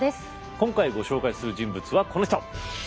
今回ご紹介する人物はこの人。